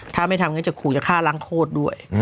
ถ้าไม่ทำก็จะขู่จะฆ่าล้างโคตรด้วย